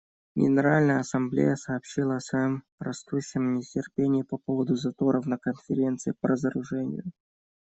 Генеральная Ассамблея сообщила о своем растущем нетерпении по поводу заторов на Конференции по разоружению.